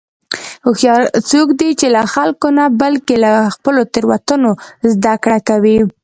هوښیار څوک دی چې له خلکو نه، بلکې له خپلو تېروتنو زدهکړه کوي.